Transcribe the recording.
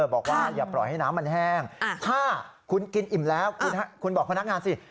บอกว่าอย่าปล่อยให้น้ำมันแห้งถ้าคุณกินอิ่มแล้วคุณบอกพนักงานสิ